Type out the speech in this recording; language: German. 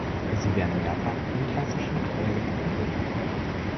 Sie werden mehrfach in klassischen Quellen erwähnt.